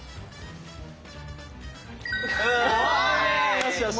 よしよし。